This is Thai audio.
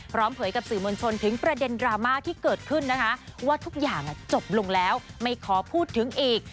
เผยกับสื่อมวลชนถึงประเด็นดราม่าที่เกิดขึ้นนะคะว่าทุกอย่างจบลงแล้วไม่ขอพูดถึงอีก